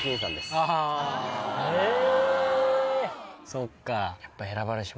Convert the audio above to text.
そっか。